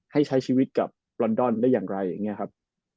ให้ใช้ชีวิตกับลอนดอนได้อย่างไรอย่างนี้ครับ